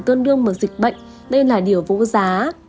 tương đương một dịch bệnh đây là điều vô giá